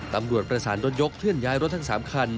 ตำรวจประสานรถยกเคลื่อนย้ายรถทั้ง๓คัน